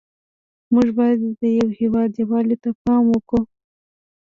موږ باید د هېواد یووالي ته پام وکړو